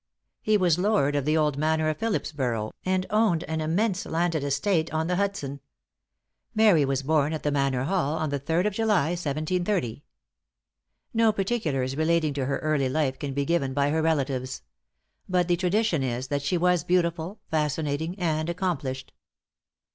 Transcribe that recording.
He was lord of the old manor of Philipsborough, and owned an immense landed estate on the Hudson. Mary was born at the Manor Hall, on the third of July, 1730. No particulars relating to her early life can be given by her relatives; but the tradition is, that she was beautiful, fascinating, and accomplished.